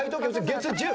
月１０。